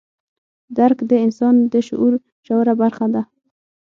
درک د انسان د شعور ژوره برخه ده.